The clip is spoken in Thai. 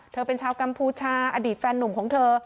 เธอเป็นชาวกัมพูชาอดีตแฟนหนุ่มของเธอ